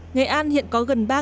nghệ an hiện có gần ba tàu